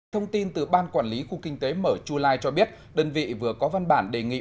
thông tin từ ban quản lý khu kinh tế mở chu lai cho biết đơn vị vừa có văn bản đề nghị